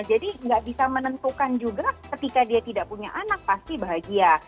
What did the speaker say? nggak bisa menentukan juga ketika dia tidak punya anak pasti bahagia